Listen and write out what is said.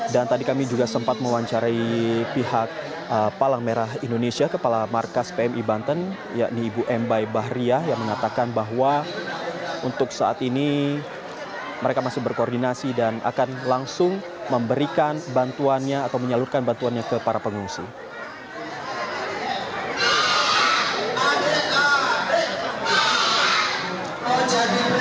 dan tadi kami juga sempat mewawancari pihak palang merah indonesia kepala markas pmi banten yakni ibu embai bahriah yang mengatakan bahwa untuk saat ini mereka masih berkoordinasi dan akan langsung memberikan bantuannya atau menyalurkan bantuannya ke para pengungsian